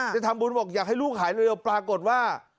จะทำบุญบอกอยากให้ลูกหายเร็วปรากฏว่า